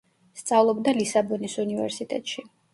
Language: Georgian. სწავლობდა ლისაბონის უნივერსიტეტში.